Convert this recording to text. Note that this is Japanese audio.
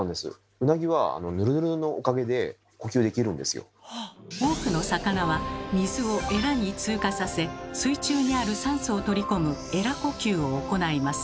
ウナギは多くの魚は水をエラに通過させ水中にある酸素を取り込む「エラ呼吸」を行います。